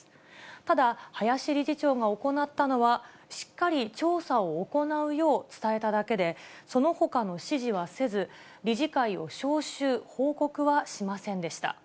ただ、林理事長が行ったのは、しっかり調査を行うよう伝えただけで、そのほかの指示はせず、理事会を招集、報告はしませんでした。